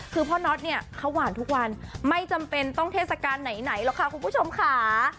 คือพ่อน็อตเนี่ยเขาหวานทุกวันไม่จำเป็นต้องเทศกาลไหนหรอกค่ะคุณผู้ชมค่ะ